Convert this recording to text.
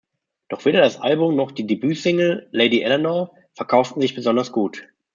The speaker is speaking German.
Doch weder das Album noch die Debütsingle "Lady Eleanor" verkauften sich besonders gut.